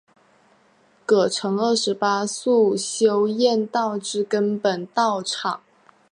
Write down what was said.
葛城二十八宿修验道之根本道场。